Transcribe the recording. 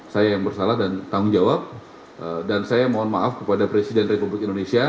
saya yang bersalah dan tanggung jawab dan saya mohon maaf kepada presiden republik indonesia